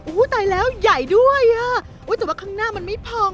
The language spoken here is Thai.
โอ้โหตายแล้วใหญ่ด้วยอ่ะแต่ว่าข้างหน้ามันไม่พอง